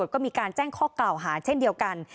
ก็มีการแจ้งข้อกล่าวหาเช่นเดียวกัน